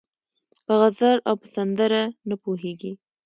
په غزل او په سندره نه پوهېږي